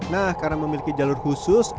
nah karena memiliki jalur khusus